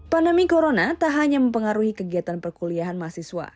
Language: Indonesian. pandemi corona tak hanya mempengaruhi kegiatan perkuliahan mahasiswa